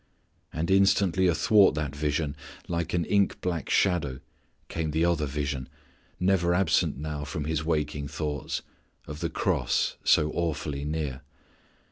And instantly athwart that vision like an ink black shadow came the other vision, never absent now from His waking thoughts, of the cross so awfully near.